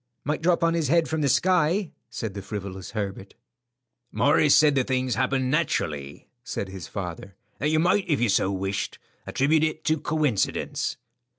"Might drop on his head from the sky," said the frivolous Herbert. "Morris said the things happened so naturally," said his father, "that you might if you so wished attribute it to coincidence."